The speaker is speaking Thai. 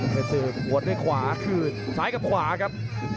พรสึบปวดด้วยขวาคืนซ้ายกลับขวาครับ